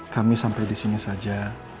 kami sampai disini saja